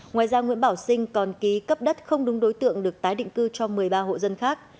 ngoài ra nguyễn bảo sinh còn ký cấp đất không đúng đối tượng được tái định cư cho một mươi ba hộ dân khác